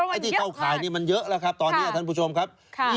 ไอ้ที่เข้าข่ายนี่มันเยอะแล้วครับตอนนี้ท่านผู้ชมครับ